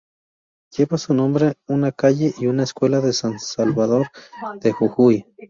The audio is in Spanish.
Lleva su nombre una calle y una escuela de San Salvador de Jujuy.